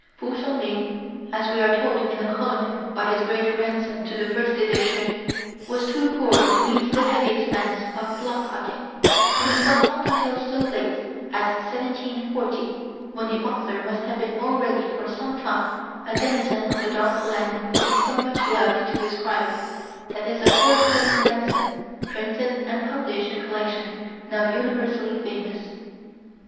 P'u Sung ling, as we are told in a colophon by his grandson to the first edition, was too poor to meet the heavy expense of block cut ting; and it was not until as late as 1740, when the author must have been already for some time a denizen of the dark land he so much loved to describe, that his aforesaid grandson printed and published the collection now so universally famous.